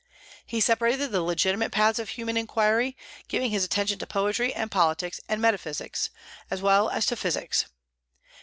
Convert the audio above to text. He separated the legitimate paths of human inquiry, giving his attention to poetry and politics and metaphysics, as well as to physics.